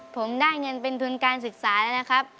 ผมได้เงินเป็นทุนการศึกษาแล้วนะครับ